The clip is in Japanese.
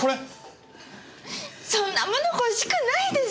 そんなもの欲しくないです！